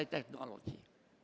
harus menguasai teknologi